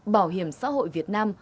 bảo hiểm xã hội việt nam